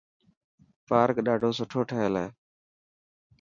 پارڪ ڏاڌو سٺو ٺهيل هي.